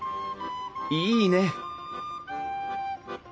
いいね！